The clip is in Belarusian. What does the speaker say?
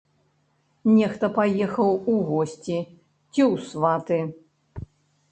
Нехта паехаў у госці ці ў сваты.